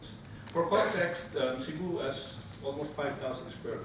untuk konteks sebu memiliki sekitar lima km dua